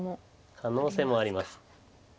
可能性もあります。